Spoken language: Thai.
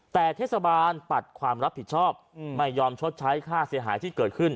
แต่เทศบาลปัดความรับผิดชอบไม่ยอมชดใช้ค่าเสียหายที่เกิดขึ้น